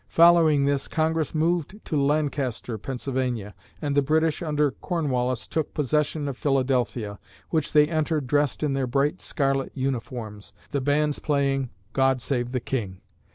Following this, Congress moved to Lancaster (Pa.) and the British, under Cornwallis, took possession of Philadelphia, which they entered dressed in their bright scarlet uniforms, the bands playing "God Save the King."